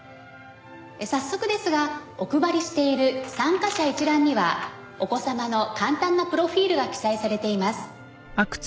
「早速ですがお配りしている参加者一覧にはお子様の簡単なプロフィールが記載されています」